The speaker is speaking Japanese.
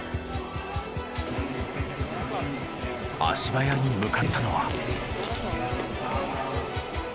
足早に向かったのは。